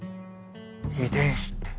遺伝子って。